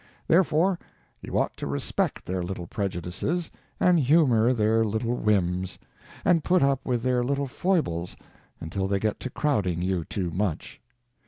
Therefore you ought to respect their little prejudices, and humor their little whims, and put up with their little foibles until they get to crowding you too much.